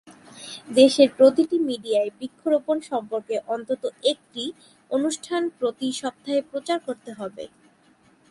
দেশের প্রতিটি মিডিয়ায় বৃক্ষরোপণ সম্পর্কে অন্তত একটি অনুষ্ঠান প্রতি সপ্তাহে প্রচার করতে হবে।